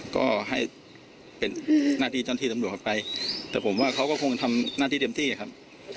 ก็ให้เป็นหน้าที่เจ้าหน้าที่ตำรวจไปแต่ผมว่าเขาก็คงทำหน้าที่เต็มที่ครับ